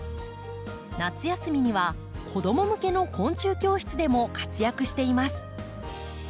夏休みには子ども向けの昆虫教室でも活躍しています。